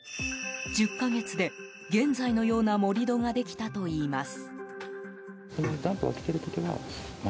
１０か月で現在のような盛り土ができたといいます。